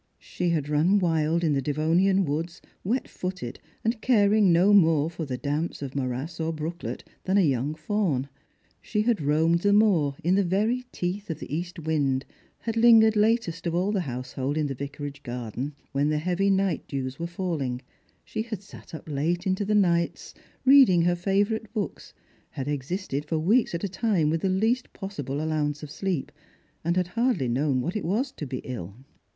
She had run wild in the Devonian woods wet fuoted and caring no more for the damps of morass or brooklet than a young fawn ; she had roamed the moor in the very teeth of the e ,st wind, had lingered latest of all the household in the Vicar age garden when the heavy night dews were falUng ; she had sat up late into the nights reading her favourite books, had existed for weeks at a time with the least possible allowance of sleej), and had hardly known what it was to be ill.